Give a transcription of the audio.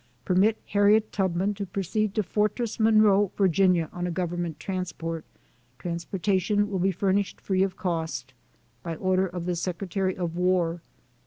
Permit Harriet Tubman to proceed to Fortress Monroe, Va., on a Government transport. Trans portation will be furnished free of cost. By order of the Secretary of War.